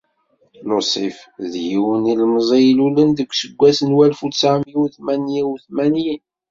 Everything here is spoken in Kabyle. Luṣif, d yiwen n yilemẓi i ilulen deg useggas n walef u tesεemya u tmanya u tmanyin.